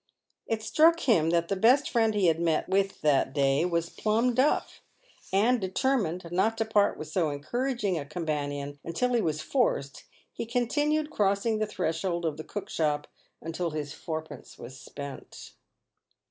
It struck him that the best friend he had met with that day was " plum duff," and, determined not to part with so encouraging a companion until he was forced, he continued crossing the threshold of the cook shop until his fourpence was spent.